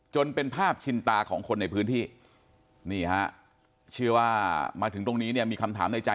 จนเป็นภาพชินตาของคนในพื้นที่นี่ฮะเชื่อว่ามาถึงตรงนี้เนี่ยมีคำถามในใจ